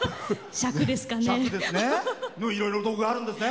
尺ですかね。